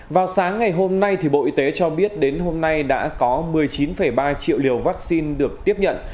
vào sáng ngày hôm nay bộ y tế cho biết đến hôm nay đã có một mươi chín ba triệu liều vaccine được tiếp nhận